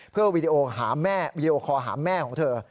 เพื่อวีดีโอหาแม่วีดีโอคอลหาแม่ของเธอ